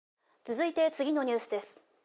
「続いて次のニュースです」